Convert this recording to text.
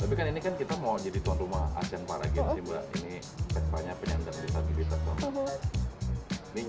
tapi kan ini kan kita mau jadi tuan rumah asian para games ini banyak penyandang disabilitas